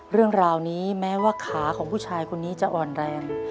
เรื่องราวนี้แม้ว่าขาของผู้ชายคนนี้จะอ่อนแรง